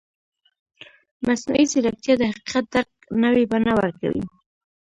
مصنوعي ځیرکتیا د حقیقت درک نوې بڼه ورکوي.